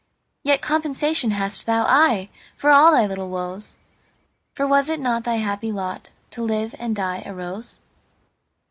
Yet compensation hast thou—aye!—For all thy little woes; For was it not thy happy lotTo live and die a rose?